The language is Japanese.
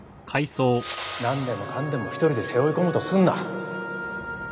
なんでもかんでも一人で背負い込もうとするな。